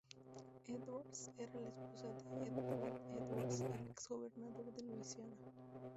Edwards era la esposa de Edwin Edwards, el ex gobernador de Louisiana.